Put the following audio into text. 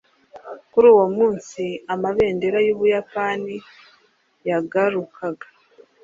Kuri uwo munsi, amabendera y’Ubuyapani yagurukaga.